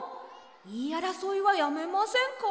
いいあらそいはやめませんか？